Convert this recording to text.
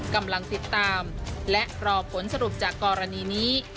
กำลังติดตามและรอผลสรุปจากกรณีนี้